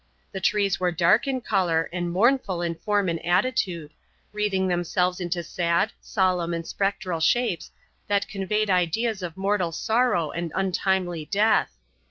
The trees were dark in color, and mournful in form and attitude, wreathing themselves into sad, solemn, and spectral shapes that conveyed ideas of mortal sorrow and untimely death.